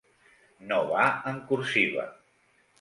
No va en cursiva.